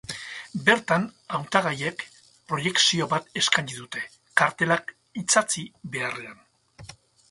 Bertan, hautagaiek proiekzio bat eskaini dute, kartelak itsatsi beharrean.